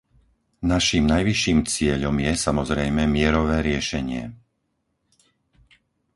Naším najvyšším cieľom je, samozrejme, mierové riešenie.